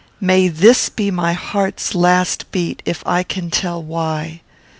May this be my heart's last beat, if I can tell why?